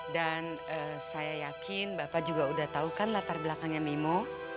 dan saya yakin bapak juga udah tahu kan latar belakangnya mimu